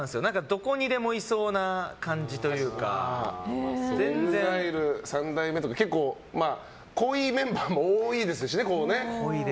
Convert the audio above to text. どこにでもいそうな感じというかＥＸＩＬＥ、三代目とか結構濃いメンバーも多いですしね